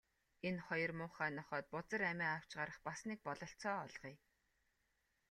Энэ хоёр муухай нохойд бузар амиа авч гарах бас нэг бололцоо олгоё.